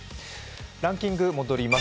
ランキング、戻ります。